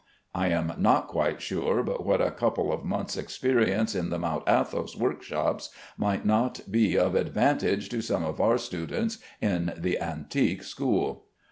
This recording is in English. I am not quite sure but what a couple of months' experience in the Mount Athos workshops might not be of advantage to some of our students in the antique school.